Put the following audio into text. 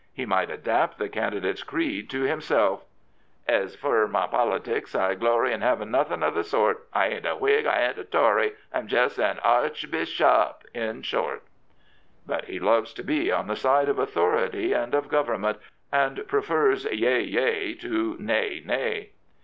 He might adapt the candidate's creed to himself: Ez fer my politics, I glory In havin' nothin' of the sort. I ain't a Whig, 1 ain't a Tory, I'm jest an Archbish op, in short. But he loves to be on the side of authority and of Government, and prefers " Yea, yea " to " Nay, nay."